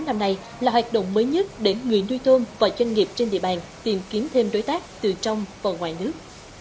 năm nay là hoạt động mới nhất để người nuôi tôm và doanh nghiệp trên địa bàn tìm kiếm thêm đối tác từ trong và ngoài nước